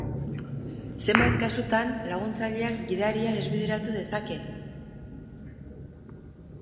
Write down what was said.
Zenbait kasutan laguntzaileak gidaria desbideratu dezake.